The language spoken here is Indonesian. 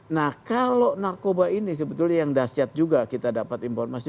nah kalau narkoba ini sebetulnya yang dahsyat juga kita dapat informasi